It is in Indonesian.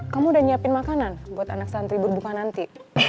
kamu udah nyiapin makanan buat anak santri berbuka nanti